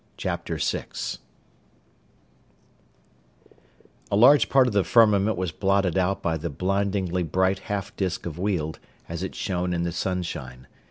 6 A large part of the firmament was blotted out by the blindingly bright half disk of Weald, as it shone in the sunshine.